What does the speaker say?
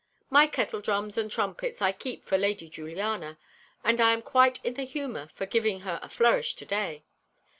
My kettledrums and trumpets I keep for Lady Juliana, and I am quite in the humour for giving her a flourish today.